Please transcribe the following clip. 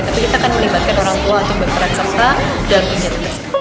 tapi kita akan melibatkan orang tua untuk berperan serta dalam ingin